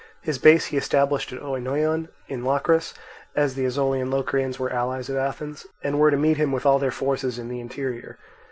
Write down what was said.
His base he established at Oeneon in Locris, as the Ozolian Locrians were allies of Athens and were to meet him with all their forces in the interior.